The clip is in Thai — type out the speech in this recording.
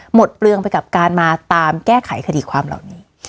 เปลืองไปกับการมาตามแก้ไขคดีความเหล่านี้